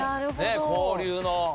交流の。